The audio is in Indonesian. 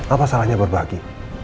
apa salahnya berbagi